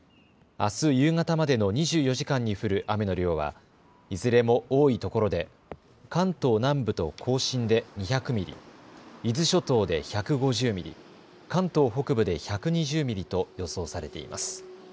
あす夕方までの２４時間に降る雨の量はいずれも多いところで関東南部と甲信で２００ミリ、伊豆諸島で１５０ミリ、関東北部で１２０ミリと予想されています。